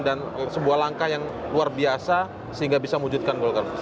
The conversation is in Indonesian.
dan sebuah langkah yang luar biasa sehingga bisa wujudkan golkar bersih